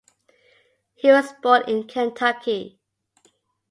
He was born in Kentucky.